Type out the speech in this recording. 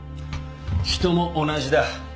人も同じだ。